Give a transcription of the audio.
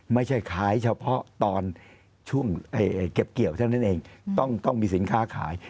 ไม่ใช่ขายเฉพาะตอนช่วงเก็บเกี่ยวเท่านั้นเองต้องมีสินค้าขาย